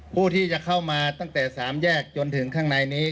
ผู้ที่จะเข้ามาตั้งแต่๓แยกจนถึงข้างในนี้